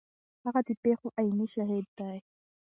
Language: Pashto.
هغه د پیښو عیني شاهد و.